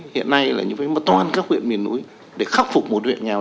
hiện nay là phải toàn các huyện miền núi để khắc phục một huyện nghèo